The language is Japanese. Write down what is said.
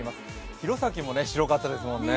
弘前も白かったですもんね。